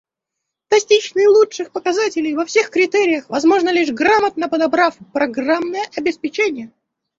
Достичь наилучших показателей во всех критериях возможно лишь грамотно подобрав программное обеспечение